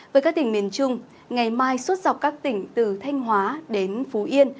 với các tỉnh miền trung ngày mai suốt dọc các tỉnh từ thanh hóa đến phú yên